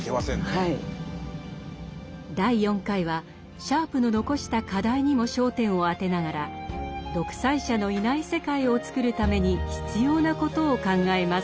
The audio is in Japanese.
第４回はシャープの遺した課題にも焦点を当てながら独裁者のいない世界をつくるために必要なことを考えます。